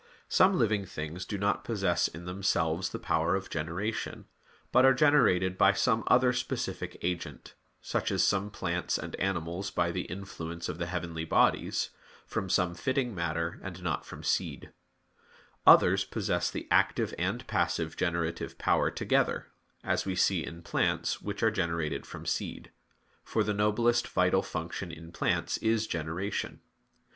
Some living things do not possess in themselves the power of generation, but are generated by some other specific agent, such as some plants and animals by the influence of the heavenly bodies, from some fitting matter and not from seed: others possess the active and passive generative power together; as we see in plants which are generated from seed; for the noblest vital function in plants is generation.